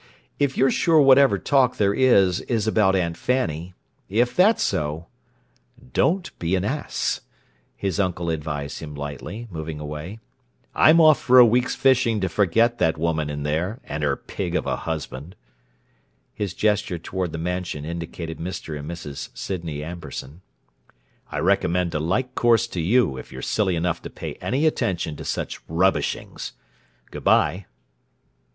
"If you're sure whatever talk there is, is about Aunt Fanny. If that's so—" "Don't be an ass," his uncle advised him lightly, moving away. "I'm off for a week's fishing to forget that woman in there, and her pig of a husband." (His gesture toward the Mansion indicated Mr. and Mrs. Sydney Amberson.) "I recommend a like course to you, if you're silly enough to pay any attention to such rubbishings! Good bye!"